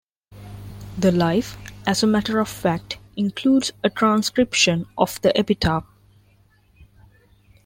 The "Life", as a matter of fact, includes a transcription of the epitaph.